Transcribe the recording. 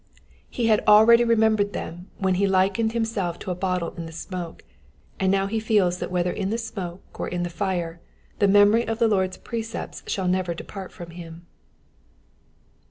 He had already remembered them when be likened himself to a bottle in the smoke, and now he feels that whether in the smoke or in the fire the memory of the Lord^s precepts shall never depart from him.